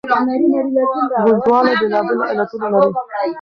ګنجوالي بېلابېل علتونه لري.